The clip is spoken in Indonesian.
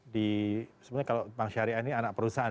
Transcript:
di sebenarnya kalau bank syariah ini anak perusahaan